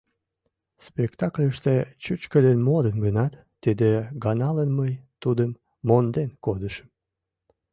Спектакльыште чӱчкыдын модын гынат, тиде ганалан мый тудым «монден» кодышым.